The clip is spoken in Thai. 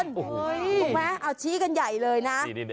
ถูกไหมเอาชี้กันใหญ่เลยนะ